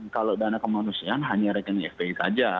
kalau dana kemanusiaan hanya rekening fpi saja